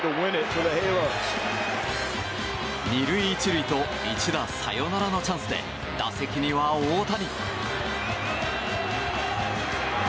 ２塁１塁と一打サヨナラのチャンスで打席には大谷。